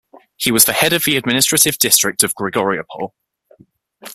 He was head of the administrative district of Grigoriopol.